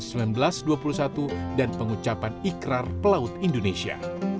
seribu sembilan ratus dua puluh satu dan pengucapan ikrar pelaut indonesia